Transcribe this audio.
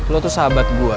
lo tuh sahabat gua